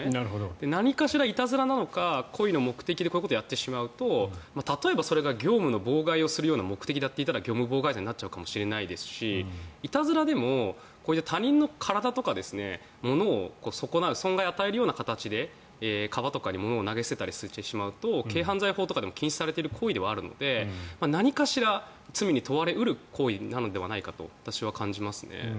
何かしら、いたずらなのか故意の目的でこういうことをやってしまうと例えばそれが業務の妨害を目的にやっていたら業務妨害罪になりますしいたずらでも他人の体とか損なう、損害を与えるような形で川とかにものを投げ捨ててしまうと軽犯罪法とかでも禁止されている行為なので何かしら、罪に問われ得る行為になるのではないかと私は感じますね。